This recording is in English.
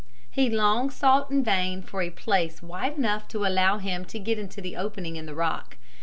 He long sought in vain for a place wide enough to allow him to get into the opening in the rock.